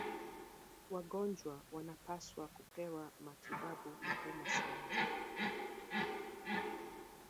Wagonjwa wanapaswa kupewa matibabu mapema sana